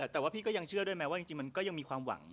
แต่ว่าพี่ก็ยังเชื่อด้วยไหมว่าจริงมันก็ยังมีความหวัง